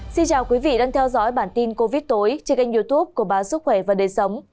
xin chào quý vị đang theo dõi bản tin covid tối trên kênh youtube của báo sức khỏe và đời sống